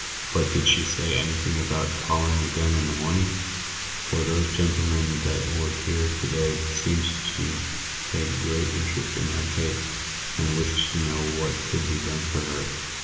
"But did she say anything about calling again in the morning ? for those gentlemen that were here to day seemed to take great interest in her case, and wished to know what could be done for her."